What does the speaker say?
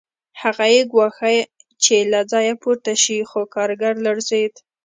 هغه یې ګواښه چې له ځایه پورته شي خو کارګر لړزېده